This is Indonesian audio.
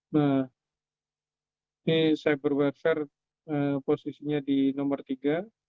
nah ini cyber websir posisinya di nomor tiga